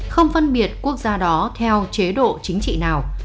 không phân biệt quốc gia đó theo chế độ chính trị nào